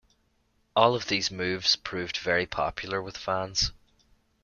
All of these moves proved very popular with fans.